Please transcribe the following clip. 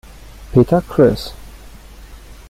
Peter Chris.